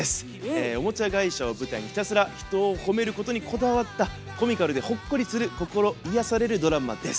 おもちゃ会社を舞台にひたすらひとを褒めることにこだわったコミカルでほっこりする心癒やされるドラマです。